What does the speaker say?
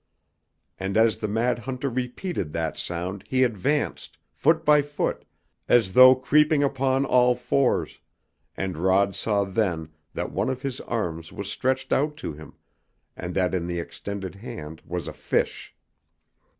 And as the mad hunter repeated that sound he advanced, foot by foot, as though creeping upon all fours, and Rod saw then that one of his arms was stretched out to him, and that in the extended hand was a fish.